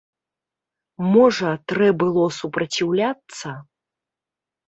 Можа, трэ было супраціўляцца?